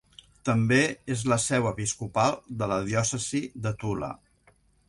També és la seu episcopal de la Diòcesi de Tula.